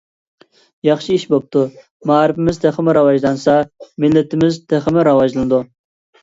ياخشى ئىش بوپتۇ. مائارىپىمىز تېخىمۇ راۋاجلانسا مىللىتىمىز تېخىمۇ راۋاجلىنىدۇ.